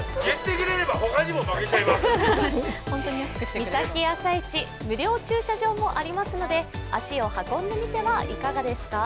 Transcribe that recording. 三崎朝市、無料駐車場もありますので、足を運んでみてはいかがですか。